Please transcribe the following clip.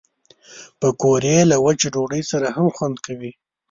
پکورې له وچې ډوډۍ سره هم خوند کوي